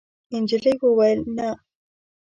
نجلۍ وویل: «نه.»